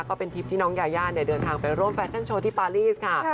ก็เป็นทริปที่น้องยายาเดินทางไปร่วมแฟชั่นโชว์ที่ปารีสค่ะ